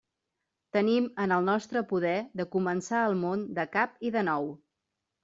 Tenim en el nostre poder de començar el món de cap i de nou.